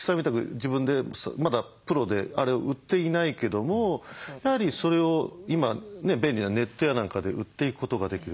自分でまだプロであれ売っていないけどもやはりそれを今ね便利なネットや何かで売っていくことができる。